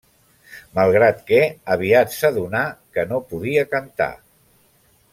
Malgrat que aviat s'adonà que no podia cantar.